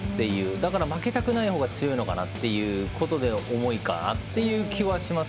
だから負けたくないほうが強いのかなというところでの重いかなっていう気がします。